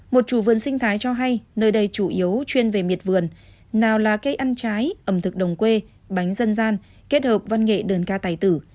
một chủ vườn sinh thái cho hay nơi đây chủ yếu chuyên về miệt vườn nào là cây ăn trái ẩm thực đồng quê bánh dân gian kết hợp văn nghệ đơn ca tài tử